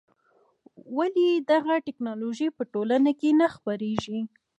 ولې دغه ټکنالوژي په ټوله نړۍ کې نه خپرېږي.